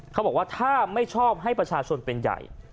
เขาบอกว่าถ้าไม่ชอบให้ประชาชนเป็นใหญ่